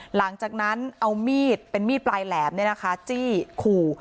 หลังจากนั้นเอามีดเป็นมีดปลายแหลมจี้ขู่